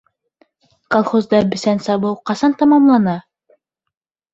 Колхозда бесән сабыу ҡасан тамамлана?